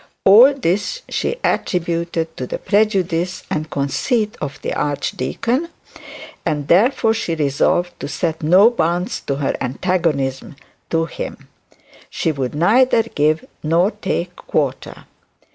All this she attributed to the prejudice and conceit of the archdeacon, and therefore she resolved to set no bounds to her antagonism to him. She would neither give nor take quarter.